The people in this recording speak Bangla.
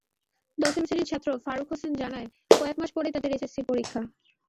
দশম শ্রেণির ছাত্র ফারুক হোসেন জানায়, কয়েক মাস পরেই তাদের এসএসসি পরীক্ষা।